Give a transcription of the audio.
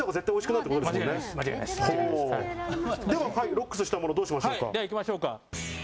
ロックスしたもの、どうしましょうか。